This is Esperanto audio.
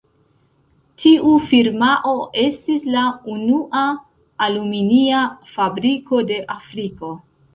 Tiu firmao estis la unua aluminia fabriko de Afriko.